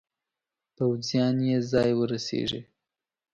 پوځیان یې ځای ورسیږي.